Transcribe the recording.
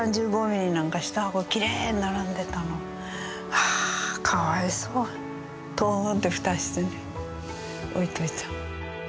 はあかわいそうと思って蓋してね置いといたの。